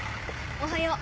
おはよう。